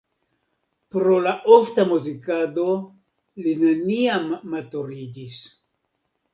Pro la ofta muzikado li neniam maturiĝis.